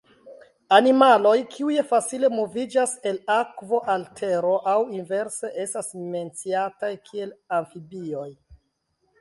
Animaloj kiuj facile moviĝas el akvo al tero aŭ inverse estas menciataj kiel amfibioj.